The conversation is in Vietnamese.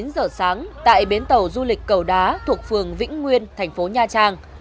chín giờ sáng tại bến tàu du lịch cầu đá thuộc phường vĩnh nguyên thành phố nha trang